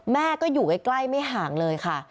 แม่ก็อยู่ใกล้ไม่ห่างเลยค่ะ